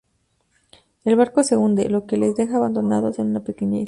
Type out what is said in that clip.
El barco se hunde, lo que les deja abandonados en una pequeña isla.